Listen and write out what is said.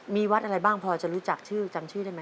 มีวัดอะไรบ้างพอจะรู้จักชื่อจำชื่อได้ไหม